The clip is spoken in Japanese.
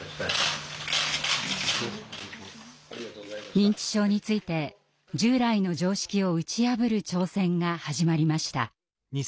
認知症について従来の常識を打ち破る挑戦が始まりました。